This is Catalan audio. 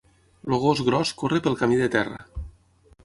El gos gros corre pel camí de terra.